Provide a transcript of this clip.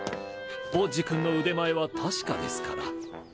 ボッジ君の腕前は確かですから。